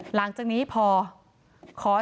นายพิรายุนั่งอยู่ติดกันแบบนี้นะคะ